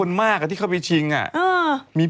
สมทบชาย